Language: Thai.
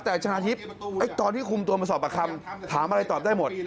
แต่ชนะทิพย์ตอนที่คุมตัวมาสอบประคำถามถามอะไรตอบได้หมด